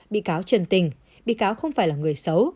bị cáo trần tình bị cáo không phải là người xấu